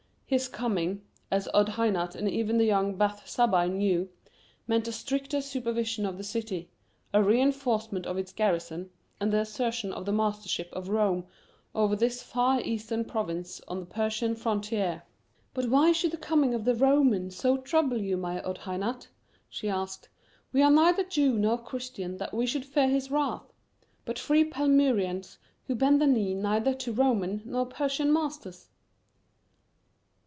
His coming, as Odhainat and even the young Bath Zabbai knew, meant a stricter supervision of the city, a re enforcement of its garrison, and the assertion of the mastership of Rome over this far eastern province on the Persian frontier. "But why should the coming of the Roman so trouble you, my Odhainat?" she asked. "We are neither Jew nor Christian that we should fear his wrath, but free Palmyreans who bend the knee neither to Roman nor Persian masters."